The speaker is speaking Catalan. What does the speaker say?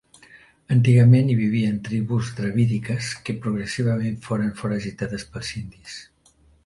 Antigament hi vivien tribus dravídiques que progressivament foren foragitades pels indis.